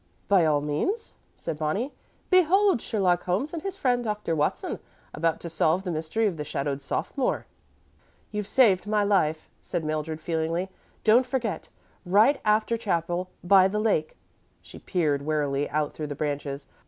"By all means," said Bonnie. "Behold Sherlock Holmes and his friend Dr. Watson about to solve the Mystery of the Shadowed Sophomore." "You've saved my life," said Mildred, feelingly. "Don't forget. Right after chapel, by the lake." She peered warily out through the branches.